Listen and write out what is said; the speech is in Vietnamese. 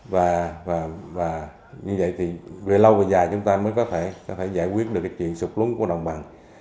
và như vậy thì về lâu về dài chúng ta mới có thể giải quyết được cái chuyện sụp lún của đồng bằng